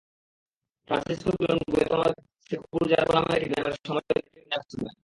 Francisco Giron গুয়াতেমালার Sepur Zarco নামের একটি গ্রামের সামরিক ঘাঁটির অধিনায়ক ছিলেন।